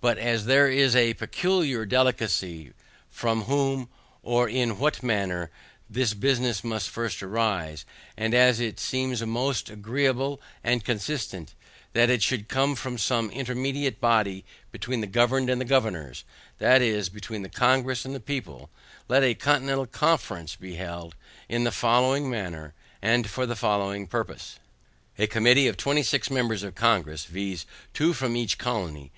But as there is a peculiar delicacy, from whom, or in what manner, this business must first arise, and as it seems most agreeable and consistent that it should come from some intermediate body between the governed and the governors, that is, between the Congress and the people, let a CONTINENTAL CONFERENCE be held, in the following manner, and for the following purpose. A committee of twenty six members of Congress, viz. two for each colony.